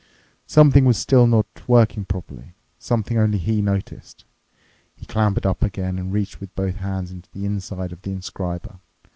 Something was still not working properly, something only he noticed. He clambered up again and reached with both hands into the inside of the inscriber.